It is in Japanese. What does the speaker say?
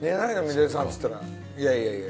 水谷さん」っつったら「いやいやいや」。